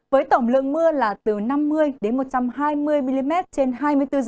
với tổng lượng mưa là từ năm mươi một trăm hai mươi mm trên hai mươi bốn h